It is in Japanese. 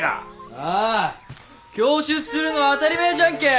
ああ供出するのは当たり前じゃんけ！